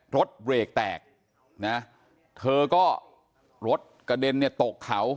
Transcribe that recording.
รถเบรกแตกนะเธอก็รถกระเด็นเนี่ยตกเขา